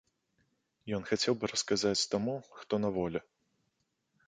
Ён хацеў бы расказаць таму, хто на волі.